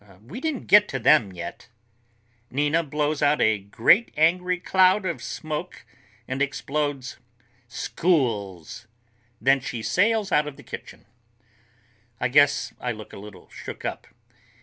"We didn't get to them yet." Nina blows out a great angry cloud of smoke and explodes, "Schools!" Then she sails out of the kitchen. I guess I look a little shook up.